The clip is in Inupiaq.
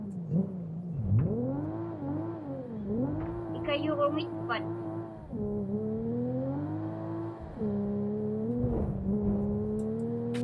Ikayuġuŋitpat?